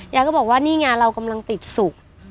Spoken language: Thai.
ยายก็บอกว่านี่ไงเรากำลังติดศุกร์